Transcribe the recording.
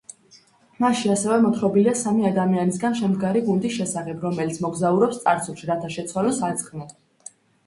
მასში ასევე მოთხრობილია სამი ადამიანისგან შემდგარი გუნდის შესახებ, რომელიც მოგზაურობს წარსულში, რათა შეცვალოს აწმყო.